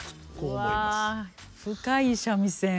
うわ深い三味線。